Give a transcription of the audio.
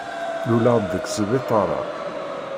Luleɣ-d deg sbiṭaṛ-a.